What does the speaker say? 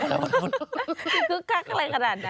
คุกคักอะไรขนาดนั้น